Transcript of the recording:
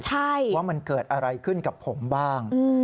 ใช่ว่ามันเกิดอะไรขึ้นกับผมบ้าง